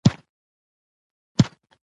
تر بیعقل دوست هوښیار دښمن غوره ده.